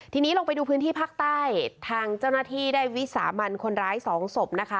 ทีนี้ลงไปดูพื้นที่ภาคใต้ทางเจ้าหน้าที่ได้วิสามันคนร้ายสองศพนะคะ